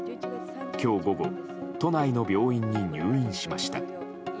今日午後都内の病院に入院しました。